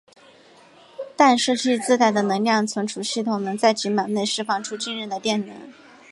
弹射器自带的能量存储系统能在几秒内释放出惊人的电能。